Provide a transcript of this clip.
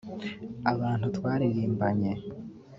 abantu twaririmbanye